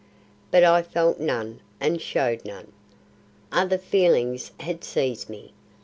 But I felt none and showed none. Other feelings had seized me.